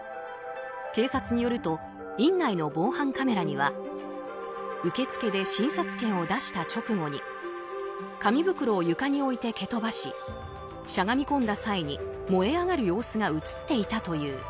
警察によると院内の防犯カメラには受付で診察券を出した直後に紙袋を床に置いて蹴飛ばししゃがみこんだ際に燃え上がる様子が映っていたという。